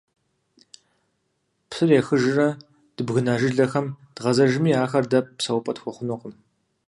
Псыр ехыжрэ, дыбгына жылэхэм дгъэзэжми, ахэр дэ псэупӀэ тхуэхъужынукъым.